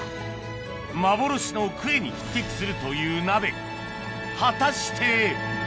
幻のクエに匹敵するという鍋果たして？